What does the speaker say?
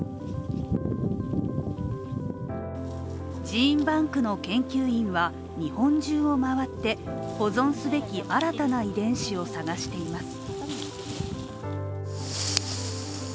ジーンバンクの研究員は日本中を回って保存すべき新たな遺伝子を探しています。